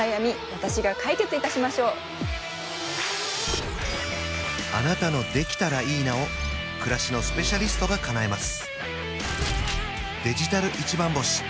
私が解決いたしましょうあなたの「できたらいいな」を暮らしのスペシャリストがかなえます